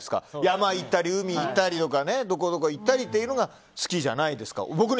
山行ったり海行ったりどこどこ行ったりというのが好きじゃないですか。